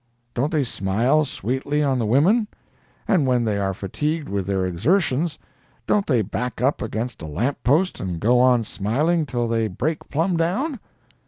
Don't they smile sweetly on the women?—and when they are fatigued with their exertions, don't they back up against a lamp post and go on smiling till they break plum down?